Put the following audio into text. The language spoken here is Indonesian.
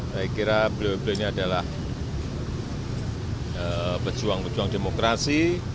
saya kira beliau beliau ini adalah pejuang pejuang demokrasi